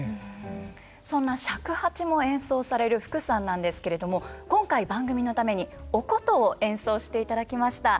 そんな尺八も演奏される福さんなんですけれども今回番組のためにお箏を演奏していただきました。